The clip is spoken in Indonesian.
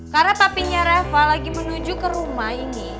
karena papinya reva lagi menuju ke rumah ini